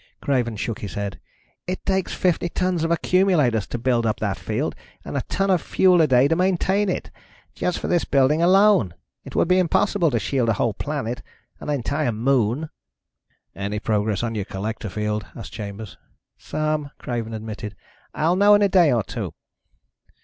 Craven shook his head. "It takes fifty tons of accumulators to build up that field, and a ton of fuel a day to maintain it. Just for this building alone. It would be impossible to shield a whole planet, an entire moon." "Any progress on your collector field?" asked Chambers. "Some," Craven admitted. "I'll know in a day or two."